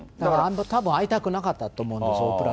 たぶん会いたくなかったと思うんです、オプラ。